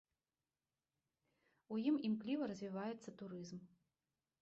У ім імкліва развіваецца турызм.